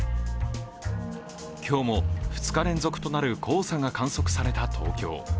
今日も２日連続となる黄砂が観測された東京。